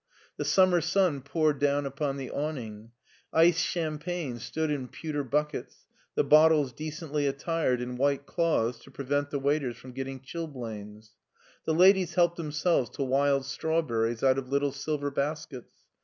The summer sun poured down upon the awning. Iced champagne stood in pewter buckets, the bottles decently attired in white cloths to prevent the waiters from getting chilblains. The ladies helped themselves to wild strawberries out of little silver baskets.